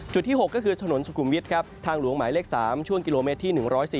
จุดที่หกก็คือถนนสุกุมวิททางหลวงไหมเล็ก๓ช่วงกิโลเมตรที่๑๔๕๑๔๖